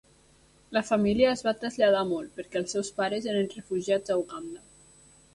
La família es va traslladar molt, perquè els seus pares eren refugiats a Uganda.